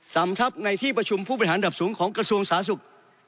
สำทับในที่ประชุมผู้บริหารดับสูงของกระทรวงสาธารณสุข